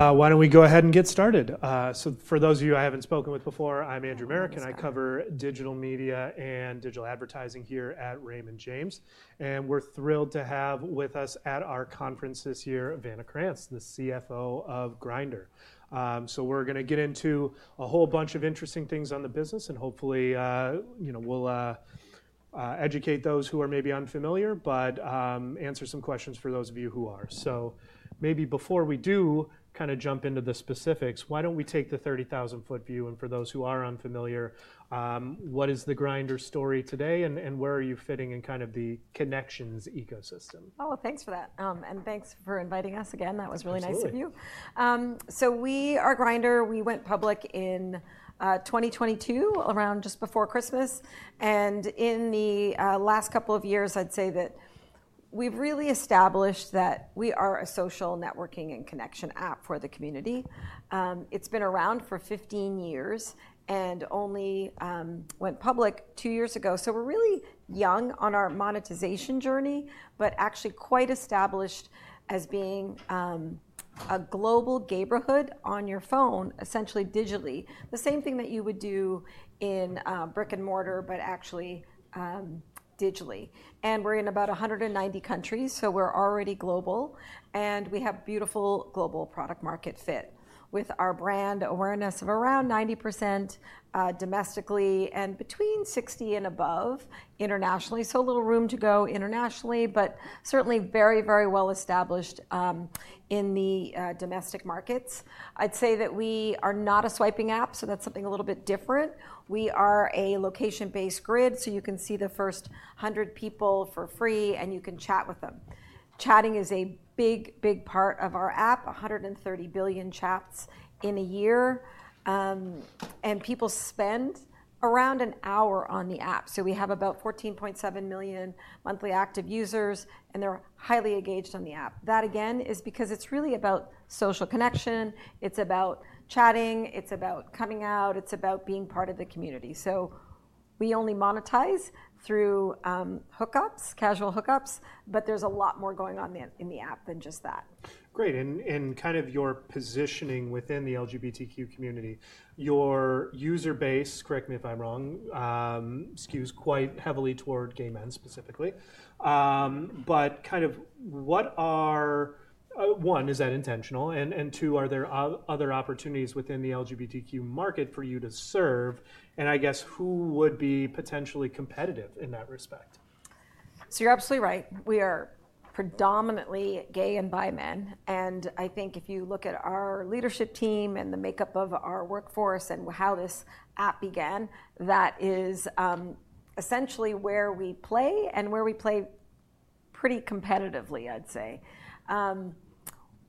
Why don't we go ahead and get started? So for those of you I haven't spoken with before, I'm Andrew Marok, and I cover digital media and digital advertising here at Raymond James, and we're thrilled to have with us at our conference this year Vanna Krantz, the CFO of Grindr, so we're going to get into a whole bunch of interesting things on the business, and hopefully we'll educate those who are maybe unfamiliar, but answer some questions for those of you who are, so maybe before we do kind of jump into the specifics, why don't we take the 30,000-foot view, and for those who are unfamiliar, what is the Grindr story today, and where are you fitting in kind of the connections ecosystem? Oh, thanks for that. And thanks for inviting us again. That was really nice of you. So we are Grindr. We went public in 2022, around just before Christmas. And in the last couple of years, I'd say that we've really established that we are a social networking and connection app for the community. It's been around for 15 years and only went public two years ago. So we're really young on our monetization journey, but actually quite established as being a global gay brotherhood on your phone, essentially digitally. The same thing that you would do in brick and mortar, but actually digitally. And we're in about 190 countries, so we're already global. And we have beautiful global product-market fit with our brand awareness of around 90% domestically and between 60% and above internationally. A little room to go internationally, but certainly very, very well established in the domestic markets. I'd say that we are not a swiping app, so that's something a little bit different. We are a location-based grid, so you can see the first 100 people for free, and you can chat with them. Chatting is a big, big part of our app, 130 billion chats in a year. People spend around an hour on the app. We have about 14.7 million monthly active users, and they're highly engaged on the app. That, again, is because it's really about social connection. It's about chatting. It's about coming out. It's about being part of the community. We only monetize through hookups, casual hookups, but there's a lot more going on in the app than just that. Great. And kind of your positioning within the LGBTQ community, your user base, correct me if I'm wrong, skews quite heavily toward gay men specifically. But kind of what are, one, is that intentional? And two, are there other opportunities within the LGBTQ market for you to serve? And I guess who would be potentially competitive in that respect? So you're absolutely right. We are predominantly gay and bi men, and I think if you look at our leadership team and the makeup of our workforce and how this app began, that is essentially where we play and where we play pretty competitively, I'd say.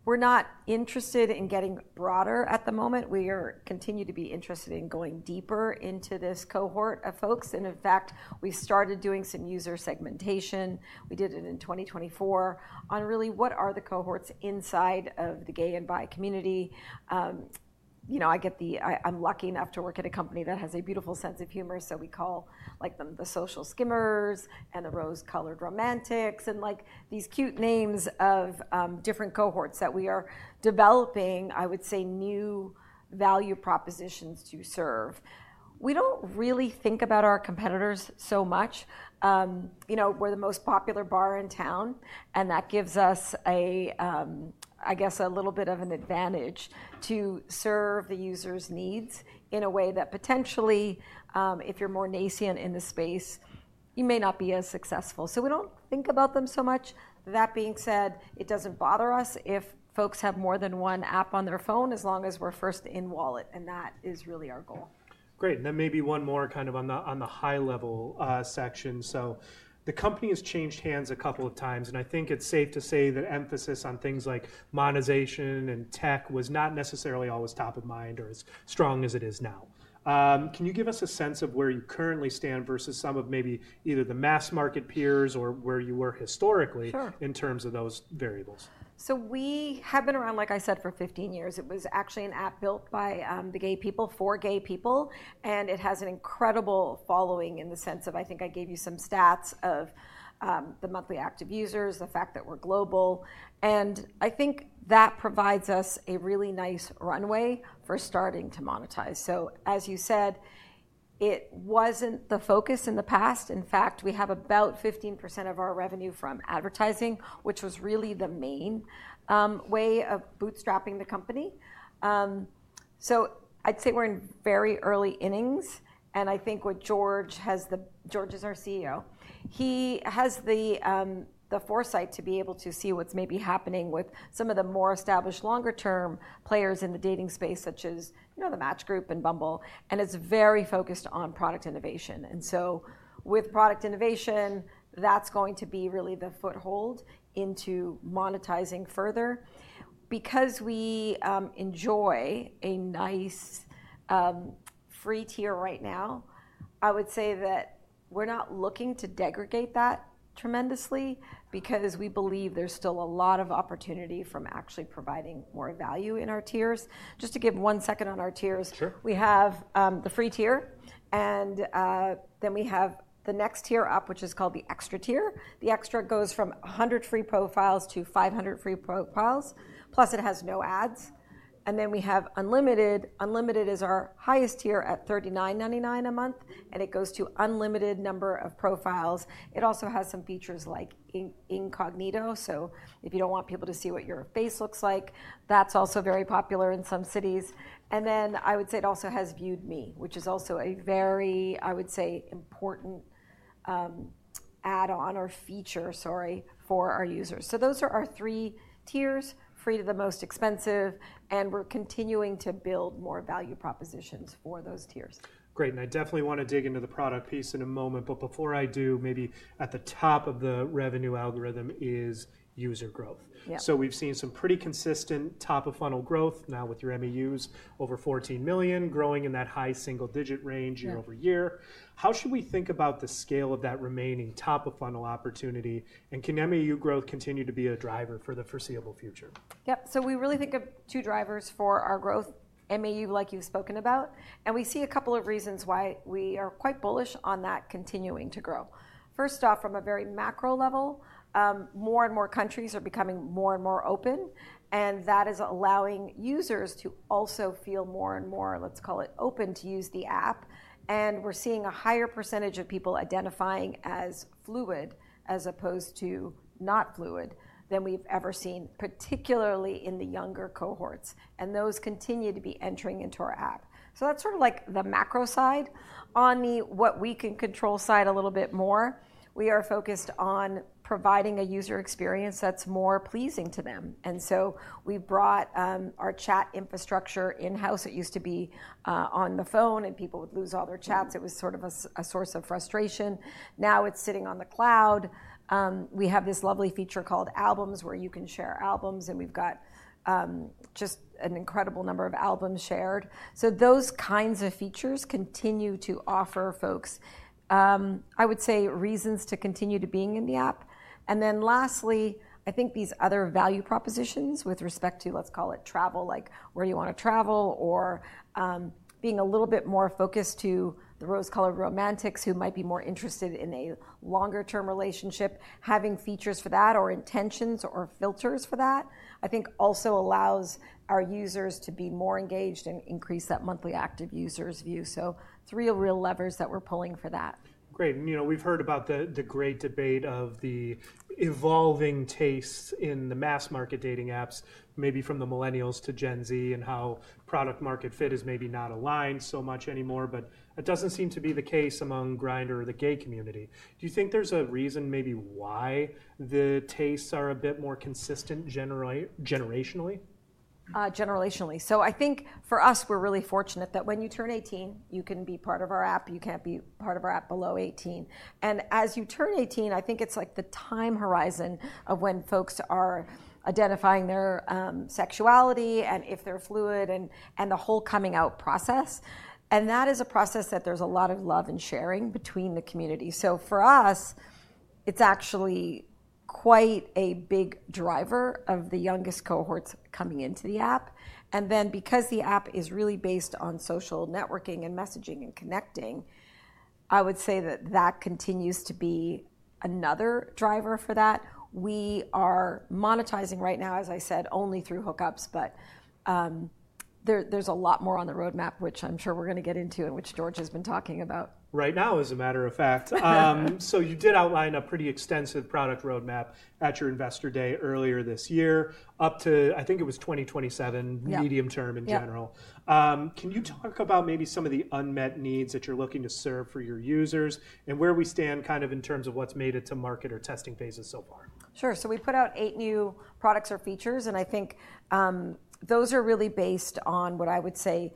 We're not interested in getting broader at the moment. We continue to be interested in going deeper into this cohort of folks, and in fact, we started doing some user segmentation. We did it in 2024 on really what are the cohorts inside of the gay and bi community. I'm lucky enough to work at a company that has a beautiful sense of humor, so we call them the social skimmers and the rose-colored romantics and these cute names of different cohorts that we are developing, I would say, new value propositions to serve. We don't really think about our competitors so much. We're the most popular bar in town, and that gives us, I guess, a little bit of an advantage to serve the user's needs in a way that potentially, if you're more nascent in the space, you may not be as successful, so we don't think about them so much. That being said, it doesn't bother us if folks have more than one app on their phone as long as we're first in wallet, and that is really our goal. Great, and then maybe one more kind of on the high-level section, so the company has changed hands a couple of times, and I think it's safe to say that emphasis on things like monetization and tech was not necessarily always top of mind or as strong as it is now. Can you give us a sense of where you currently stand versus some of maybe either the mass market peers or where you were historically in terms of those variables? We have been around, like I said, for 15 years. It was actually an app built by the gay people for gay people. And it has an incredible following in the sense of, I think I gave you some stats of the monthly active users, the fact that we're global. And I think that provides us a really nice runway for starting to monetize. As you said, it wasn't the focus in the past. In fact, we have about 15% of our revenue from advertising, which was really the main way of bootstrapping the company. I'd say we're in very early innings. And I think what George has. George is our CEO. He has the foresight to be able to see what's maybe happening with some of the more established longer-term players in the dating space, such as the Match Group and Bumble. It's very focused on product innovation. With product innovation, that's going to be really the foothold into monetizing further. Because we enjoy a nice free tier right now, I would say that we're not looking to degrade that tremendously because we believe there's still a lot of opportunity from actually providing more value in our tiers. Just to give one second on our tiers, we have the free tier. We have the next tier up, which is called the XTRA tier. The XTRA goes from 100 free profiles to 500 free profiles. Plus, it has no ads. We have Unlimited. Unlimited is our highest tier at $39.99 a month. It goes to unlimited number of profiles. It also has some features like Incognito. So if you don't want people to see what your face looks like, that's also very popular in some cities. And then I would say it also has Viewed Me, which is also a very, I would say, important add-on or feature, sorry, for our users. So those are our three tiers, free to the most expensive. And we're continuing to build more value propositions for those tiers. Great. And I definitely want to dig into the product piece in a moment. But before I do, maybe at the top of the revenue algorithm is user growth. So we've seen some pretty consistent top-of-funnel growth now with your MAUs over 14 million, growing in that high single-digit range year over year. How should we think about the scale of that remaining top-of-funnel opportunity? And can MAU growth continue to be a driver for the foreseeable future? Yep. So we really think of two drivers for our growth, MAU, like you've spoken about. And we see a couple of reasons why we are quite bullish on that continuing to grow. First off, from a very macro level, more and more countries are becoming more and more open. And that is allowing users to also feel more and more, let's call it, open to use the app. And we're seeing a higher percentage of people identifying as fluid as opposed to not fluid than we've ever seen, particularly in the younger cohorts. And those continue to be entering into our app. So that's sort of like the macro side. On the what we can control side a little bit more, we are focused on providing a user experience that's more pleasing to them. And so we brought our chat infrastructure in-house. It used to be on the phone, and people would lose all their chats. It was sort of a source of frustration. Now it's sitting on the cloud. We have this lovely feature called Albums where you can share albums. And we've got just an incredible number of albums shared. So those kinds of features continue to offer folks, I would say, reasons to continue to being in the app. And then lastly, I think these other value propositions with respect to, let's call it travel, like where you want to travel or being a little bit more focused to the rose-colored romantics who might be more interested in a longer-term relationship, having features for that or intentions or filters for that, I think also allows our users to be more engaged and increase that monthly active users. So three real levers that we're pulling for that. Great. And we've heard about the great debate of the evolving tastes in the mass market dating apps, maybe from the millennials to Gen Z, and how product-market fit is maybe not aligned so much anymore. But it doesn't seem to be the case among Grindr or the gay community. Do you think there's a reason maybe why the tastes are a bit more consistent generationally? Generationally. So, I think for us, we're really fortunate that when you turn 18, you can be part of our app. You can't be part of our app below 18. And as you turn 18, I think it's like the time horizon of when folks are identifying their sexuality and if they're fluid and the whole coming out process. And that is a process that there's a lot of love and sharing between the community. So for us, it's actually quite a big driver of the youngest cohorts coming into the app. And then because the app is really based on social networking and messaging and connecting, I would say that that continues to be another driver for that. We are monetizing right now, as I said, only through hookups. But there's a lot more on the roadmap, which I'm sure we're going to get into and which George has been talking about. Right now, as a matter of fact, so you did outline a pretty extensive product roadmap at your investor day earlier this year up to, I think it was 2027, medium term in general. Can you talk about maybe some of the unmet needs that you're looking to serve for your users and where we stand kind of in terms of what's made it to market or testing phases so far? Sure. So we put out eight new products or features, and I think those are really based on what I would say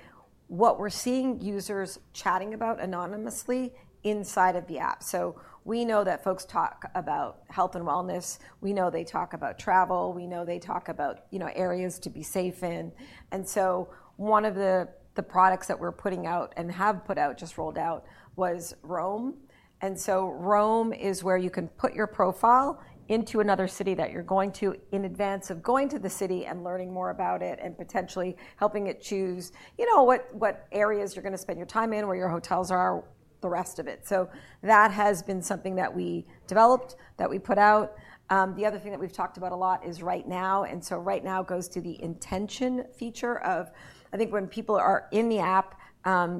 we're seeing users chatting about anonymously inside of the app. So we know that folks talk about health and wellness. We know they talk about travel. We know they talk about areas to be safe in. And so one of the products that we're putting out and have put out, just rolled out, was Roam. And so Roam is where you can put your profile into another city that you're going to in advance of going to the city and learning more about it and potentially helping it choose what areas you're going to spend your time in, where your hotels are, the rest of it. So that has been something that we developed, that we put out. The other thing that we've talked about a lot is Right Now, and so Right Now goes to the intention feature of. I think when people are in the app,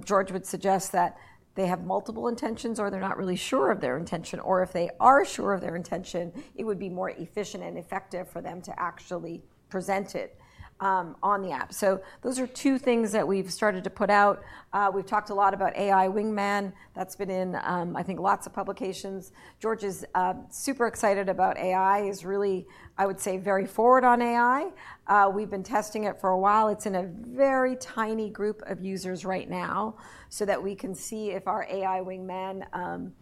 George would suggest that they have multiple intentions or they're not really sure of their intention, or if they are sure of their intention, it would be more efficient and effective for them to actually present it on the app, so those are two things that we've started to put out. We've talked a lot about AI Wingman. That's been in, I think, lots of publications. George is super excited about AI, is really, I would say, very forward on AI. We've been testing it for a while. It's in a very tiny group of users right now so that we can see if our AI Wingman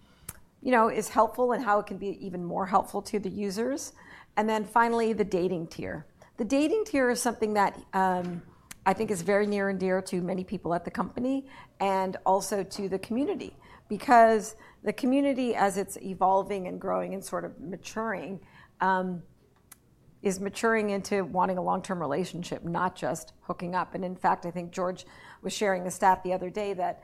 is helpful and how it can be even more helpful to the users. And then finally, the dating tier. The dating tier is something that I think is very near and dear to many people at the company and also to the community because the community, as it's evolving and growing and sort of maturing, is maturing into wanting a long-term relationship, not just hooking up. And in fact, I think George was sharing the stat the other day that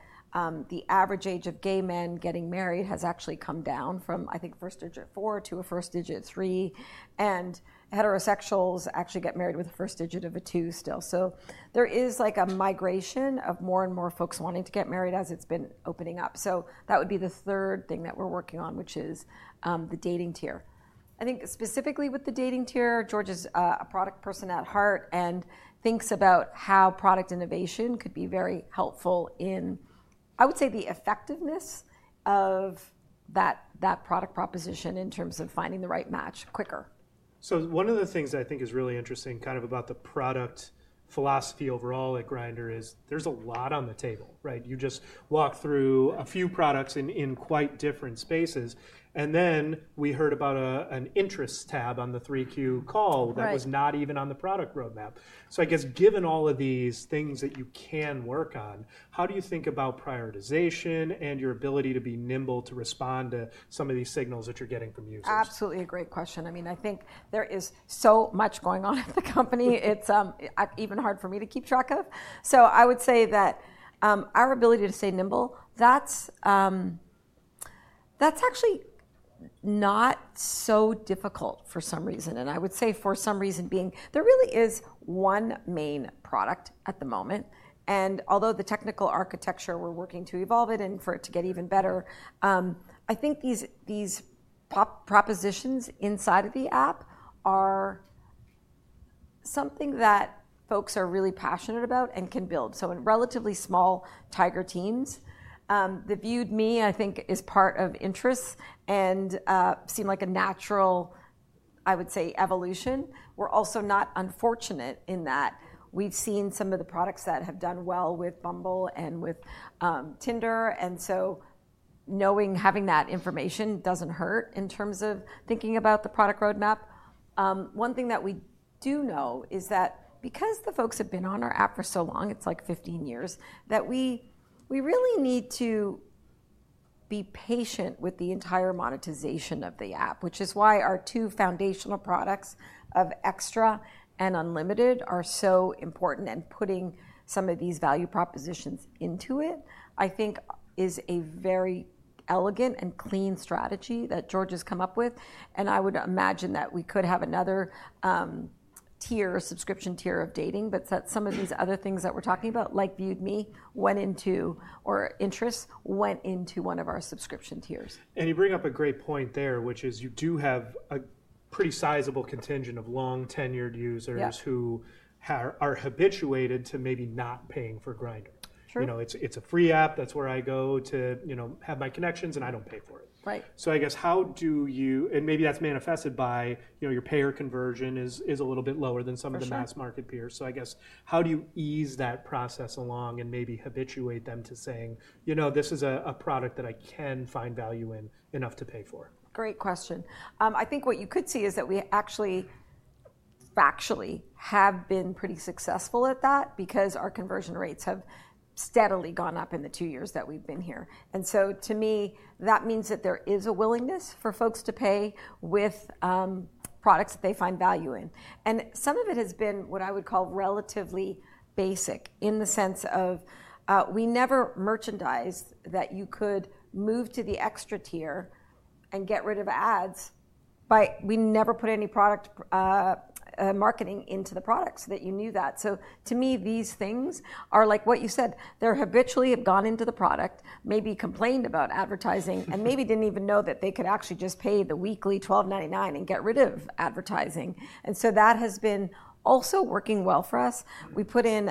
the average age of gay men getting married has actually come down from, I think, first digit four to a first digit three. And heterosexuals actually get married with a first digit of a two still. So there is like a migration of more and more folks wanting to get married as it's been opening up. So that would be the third thing that we're working on, which is the dating tier. I think specifically with the dating tier, George is a product person at heart and thinks about how product innovation could be very helpful in, I would say, the effectiveness of that product proposition in terms of finding the right match quicker. So one of the things I think is really interesting kind of about the product philosophy overall at Grindr is there's a lot on the table, right? You just walk through a few products in quite different spaces. And then we heard about an interest tab on the Q3 call that was not even on the product roadmap. So I guess given all of these things that you can work on, how do you think about prioritization and your ability to be nimble to respond to some of these signals that you're getting from users? Absolutely a great question. I mean, I think there is so much going on at the company. It's even hard for me to keep track of. So I would say that our ability to stay nimble, that's actually not so difficult for some reason. And I would say for some reason being that there really is one main product at the moment. And although the technical architecture we're working to evolve it and for it to get even better, I think these propositions inside of the app are something that folks are really passionate about and can build. So in relatively small tiger teams, the Viewed Me, I think, is of interest and seemed like a natural, I would say, evolution. We're also not unfortunate in that we've seen some of the products that have done well with Bumble and with Tinder. And so knowing having that information doesn't hurt in terms of thinking about the product roadmap. One thing that we do know is that because the folks have been on our app for so long, it's like 15 years, that we really need to be patient with the entire monetization of the app, which is why our two foundational products, XTRA and Unlimited, are so important. And putting some of these value propositions into it, I think, is a very elegant and clean strategy that George has come up with. And I would imagine that we could have another tier, subscription tier of dating, but some of these other things that we're talking about, like Viewed Me, Incognito, or interests, went into one of our subscription tiers. You bring up a great point there, which is you do have a pretty sizable contingent of long-tenured users who are habituated to maybe not paying for Grindr. It's a free app. That's where I go to have my connections, and I don't pay for it. So I guess how do you and maybe that's manifested by your payer conversion is a little bit lower than some of the mass market peers. So I guess how do you ease that process along and maybe habituate them to saying, you know, this is a product that I can find value in enough to pay for? Great question. I think what you could see is that we actually factually have been pretty successful at that because our conversion rates have steadily gone up in the two years that we've been here. And so to me, that means that there is a willingness for folks to pay with products that they find value in. And some of it has been what I would call relatively basic in the sense of we never merchandised that you could move to the extra tier and get rid of ads. We never put any product marketing into the products that you knew that. So to me, these things are like what you said. They're habitually have gone into the product, maybe complained about advertising, and maybe didn't even know that they could actually just pay the weekly $12.99 and get rid of advertising. And so that has been also working well for us. We put in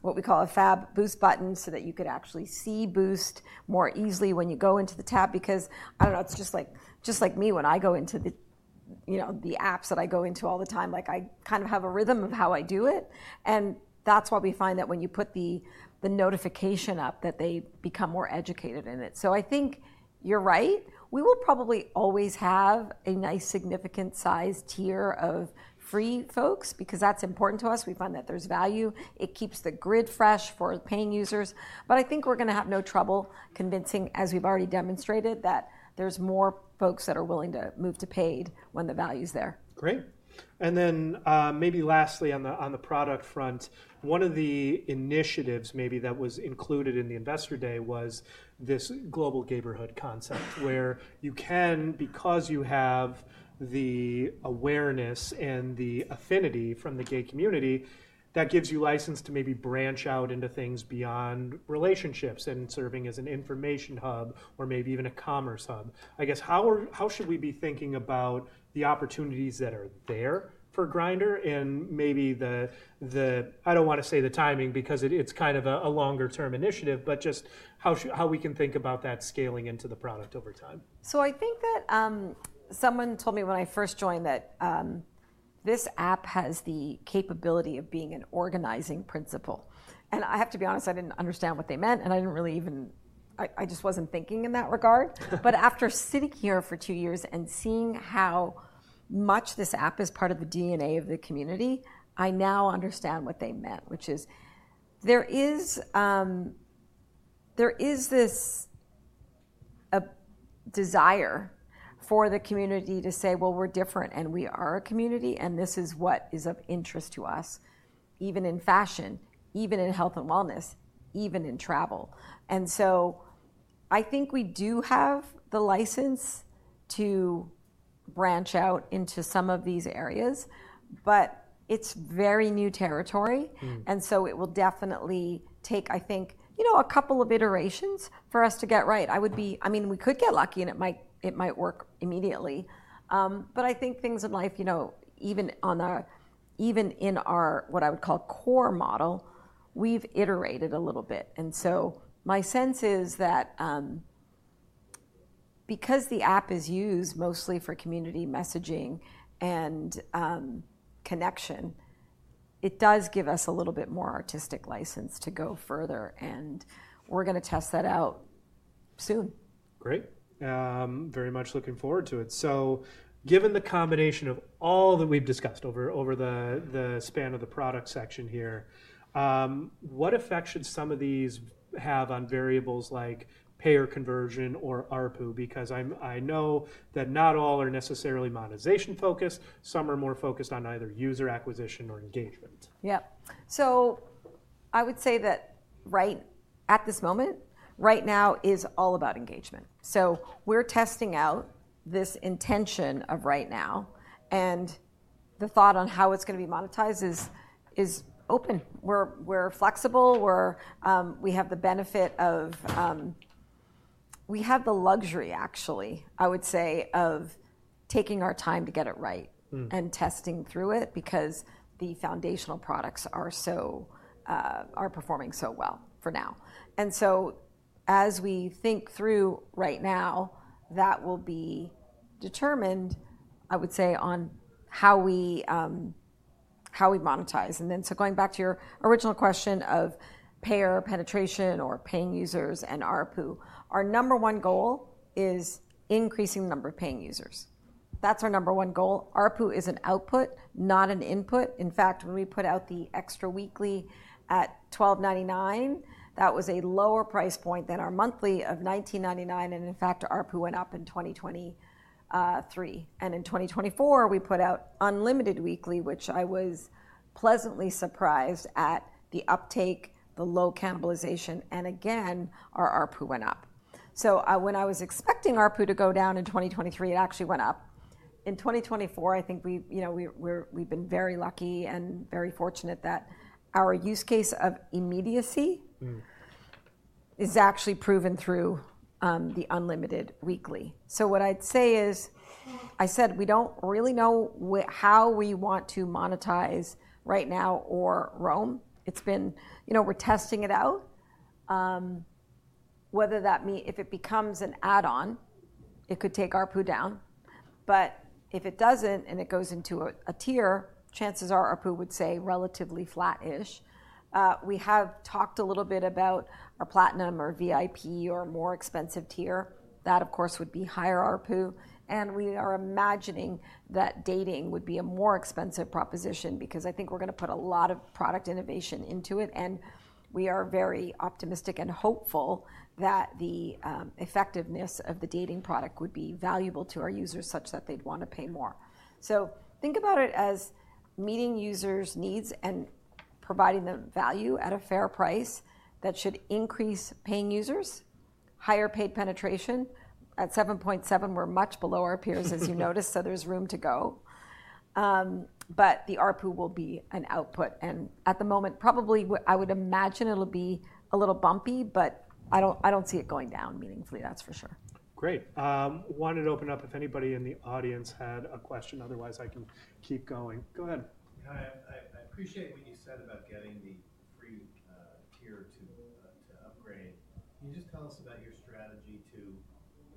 what we call a tab Boost button so that you could actually see Boost more easily when you go into the tab because I don't know, it's just like me when I go into the apps that I go into all the time. I kind of have a rhythm of how I do it. And that's why we find that when you put the notification up, that they become more educated in it. So I think you're right. We will probably always have a nice significant size tier of free folks because that's important to us. We find that there's value. It keeps the grid fresh for paying users. But I think we're going to have no trouble convincing, as we've already demonstrated, that there's more folks that are willing to move to paid when the value is there. Great. And then maybe lastly on the product front, one of the initiatives maybe that was included in the Investor Day was this global Gayborhood concept where you can, because you have the awareness and the affinity from the gay community, that gives you license to maybe branch out into things beyond relationships and serving as an information hub or maybe even a commerce hub. I guess how should we be thinking about the opportunities that are there for Grindr and maybe the, I don't want to say the timing because it's kind of a longer-term initiative, but just how we can think about that scaling into the product over time? So I think that someone told me when I first joined that this app has the capability of being an organizing principle. And I have to be honest, I didn't understand what they meant. And I didn't really even, I just wasn't thinking in that regard. But after sitting here for two years and seeing how much this app is part of the DNA of the community, I now understand what they meant, which is there is this desire for the community to say, well, we're different and we are a community and this is what is of interest to us, even in fashion, even in health and wellness, even in travel. And so I think we do have the license to branch out into some of these areas, but it's very new territory. And so it will definitely take, I think, you know, a couple of iterations for us to get right. I would be, I mean, we could get lucky and it might work immediately. But I think things in life, you know, even in our what I would call core model, we've iterated a little bit. And so my sense is that because the app is used mostly for community messaging and connection, it does give us a little bit more artistic license to go further. And we're going to test that out soon. Great. Very much looking forward to it. So given the combination of all that we've discussed over the span of the product section here, what effect should some of these have on variables like payer conversion or ARPU? Because I know that not all are necessarily monetization focused. Some are more focused on either user acquisition or engagement. Yep. So I would say that right at this moment, Right Now is all about engagement. So we're testing out this intention of Right Now. And the thought on how it's going to be monetized is open. We're flexible. We have the benefit of, we have the luxury, actually, I would say, of taking our time to get it right and testing through it because the foundational products are performing so well for now. And so as we think through Right Now, that will be determined, I would say, on how we monetize. And then so going back to your original question of payer penetration or paying users and ARPU, our number one goal is increasing the number of paying users. That's our number one goal. ARPU is an output, not an input. In fact, when we put out the XTRA weekly at $12.99, that was a lower price point than our monthly of $19.99. And in fact, ARPU went up in 2023. And in 2024, we put out Unlimited weekly, which I was pleasantly surprised at the uptake, the low cannibalization. And again, our ARPU went up. So when I was expecting ARPU to go down in 2023, it actually went up. In 2024, I think we've been very lucky and very fortunate that our use case of immediacy is actually proven through the Unlimited weekly. So what I'd say is, I said we don't really know how we want to monetize Right Now or Roam. It's been, you know, we're testing it out. Whether that means if it becomes an add-on, it could take ARPU down. But if it doesn't and it goes into a tier, chances are ARPU would stay relatively flat-ish. We have talked a little bit about our Platinum or VIP or more expensive tier. That, of course, would be higher ARPU. And we are imagining that dating would be a more expensive proposition because I think we're going to put a lot of product innovation into it. And we are very optimistic and hopeful that the effectiveness of the dating product would be valuable to our users such that they'd want to pay more. So think about it as meeting users' needs and providing them value at a fair price that should increase paying users, higher paid penetration. At $7.7, we're much below our peers, as you noticed, so there's room to go. But the ARPU will be an output. At the moment, probably I would imagine it'll be a little bumpy, but I don't see it going down meaningfully, that's for sure. Great. Wanted to open up if anybody in the audience had a question. Otherwise, I can keep going. Go ahead. I appreciate what you said about getting the free tier to upgrade. Can you just tell us about your strategy to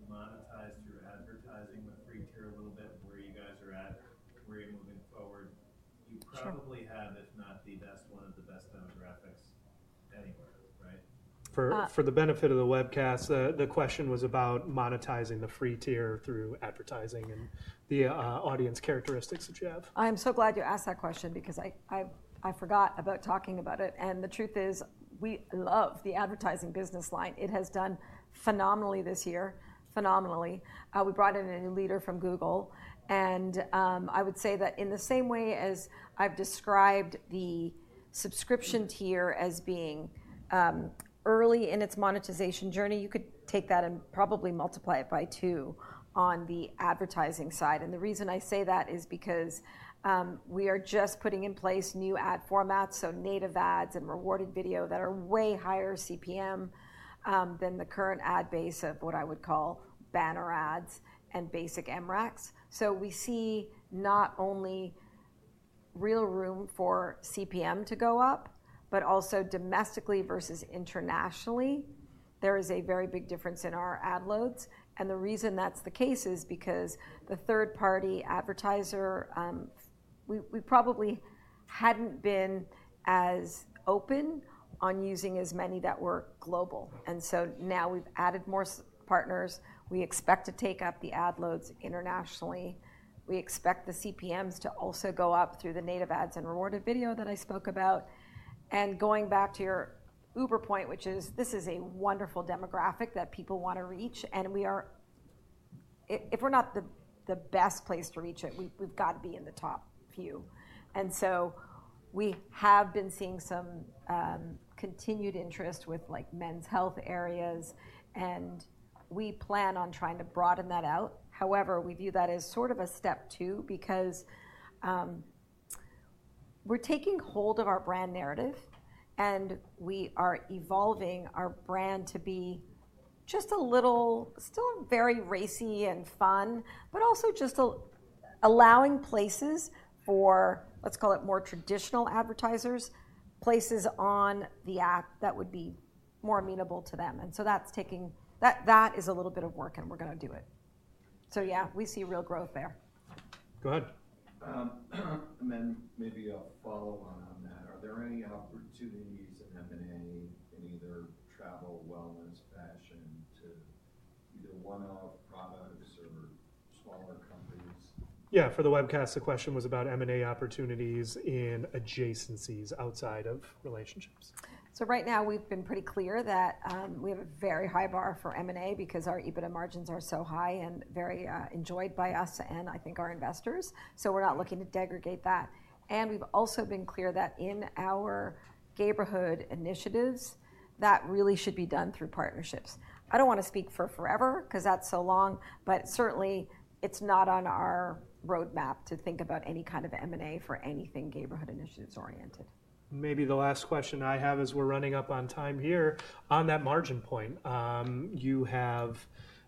monetize through advertising the free tier a little bit and where you guys are at, where you're moving forward? You probably have, if not the best one of the best demographics anywhere, right? For the benefit of the webcast, the question was about monetizing the free tier through advertising and the audience characteristics that you have. I am so glad you asked that question because I forgot about talking about it, and the truth is we love the advertising business line. It has done phenomenally this year, phenomenally. We brought in a leader from Google, and I would say that in the same way as I've described the subscription tier as being early in its monetization journey, you could take that and probably multiply it by two on the advertising side, and the reason I say that is because we are just putting in place new ad formats, so native ads and rewarded video that are way higher CPM than the current ad base of what I would call banner ads and basic MRECs. So we see not only real room for CPM to go up, but also domestically versus internationally, there is a very big difference in our ad loads. The reason that's the case is because the third-party advertiser, we probably hadn't been as open on using as many that were global. Now we've added more partners. We expect to take up the ad loads internationally. We expect the CPMs to also go up through the native ads and rewarded video that I spoke about. Going back to your earlier point, which is this is a wonderful demographic that people want to reach. If we're not the best place to reach it, we've got to be in the top few. We have been seeing some continued interest with men's health areas. We plan on trying to broaden that out. However, we view that as sort of a step two because we're taking hold of our brand narrative. And we are evolving our brand to be just a little still very racy and fun, but also just allowing places for, let's call it more traditional advertisers, places on the app that would be more amenable to them. And so that's taking, that is a little bit of work, and we're going to do it. So yeah, we see real growth there. Go ahead. Then maybe I'll follow on that. Are there any opportunities in M&A in either travel, wellness, fashion to either one-off products or smaller companies? Yeah, for the webcast, the question was about M&A opportunities in adjacencies outside of relationships. So right now, we've been pretty clear that we have a very high bar for M&A because our EBITDA margins are so high and very enjoyed by us and I think our investors. So we're not looking to degrade that. And we've also been clear that in our Gayborhood initiatives, that really should be done through partnerships. I don't want to speak for forever because that's so long, but certainly it's not on our roadmap to think about any kind of M&A for anything Gayborhood initiatives oriented. Maybe the last question I have as we're running up on time here. On that margin point, you have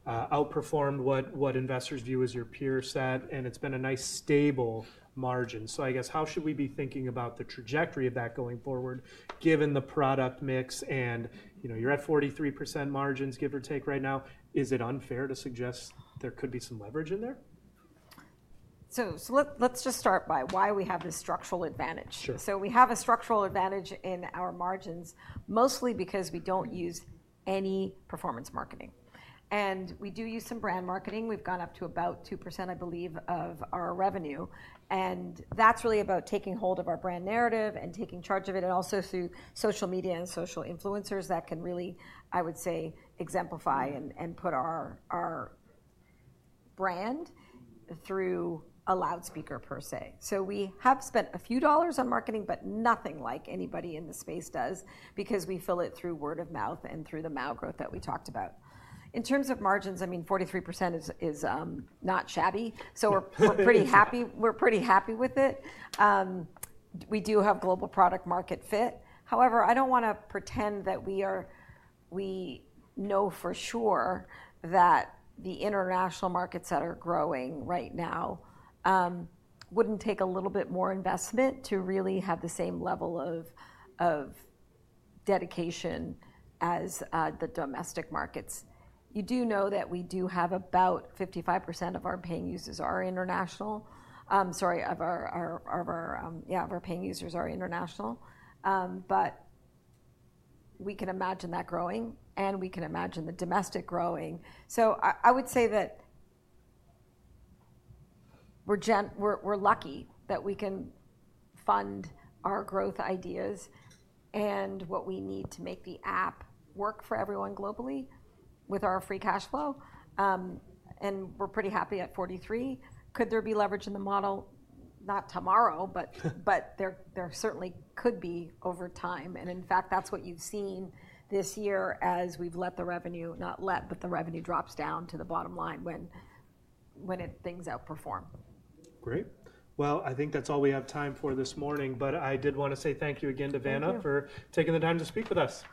outperformed what investors view as your peer set, and it's been a nice stable margin. So I guess how should we be thinking about the trajectory of that going forward given the product mix? And you're at 43% margins, give or take right now. Is it unfair to suggest there could be some leverage in there? So let's just start by why we have this structural advantage. So we have a structural advantage in our margins mostly because we don't use any performance marketing. And we do use some brand marketing. We've gone up to about 2%, I believe, of our revenue. And that's really about taking hold of our brand narrative and taking charge of it and also through social media and social influencers that can really, I would say, exemplify and put our brand through a loudspeaker per se. So we have spent a few dollars on marketing, but nothing like anybody in the space does because we fill it through word of mouth and through the MAU growth that we talked about. In terms of margins, I mean, 43% is not shabby. So we're pretty happy. We're pretty happy with it. We do have global product market fit. However, I don't want to pretend that we know for sure that the international markets that are growing right now wouldn't take a little bit more investment to really have the same level of dedication as the domestic markets. You do know that we do have about 55% of our paying users are international. Sorry, yeah, of our paying users are international. But we can imagine that growing and we can imagine the domestic growing. So I would say that we're lucky that we can fund our growth ideas and what we need to make the app work for everyone globally with our free cash flow. And we're pretty happy at 43. Could there be leverage in the model? Not tomorrow, but there certainly could be over time. In fact, that's what you've seen this year as we've let the revenue, not let, but the revenue drops down to the bottom line when things outperform. Great. Well, I think that's all we have time for this morning, but I did want to say thank you again to Vanna for taking the time to speak with us.